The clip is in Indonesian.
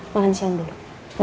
makan siang dulu